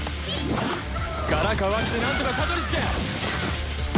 ガラかわしてなんとかたどり着け！